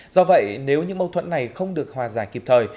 do vậy nếu những mâu thuẫn này không được hòa giải kịp thời